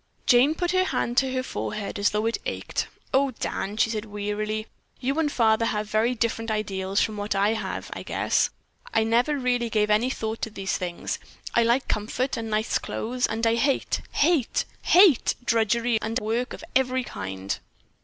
Jane put her hand to her forehead as though it ached. "Oh, Dan," she said, wearily, "you and father have different ideals from what I have, I guess. I never really gave any thought to these things. I like comfort and nice clothes and I hate, hate, hate drudgery and work of every kind.